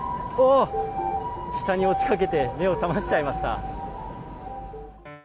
下に落ちかけて目を覚ましちゃいました。